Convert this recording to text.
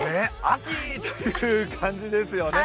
秋という感じですよね。